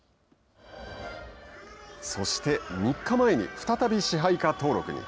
そして３日前に再び支配下登録に。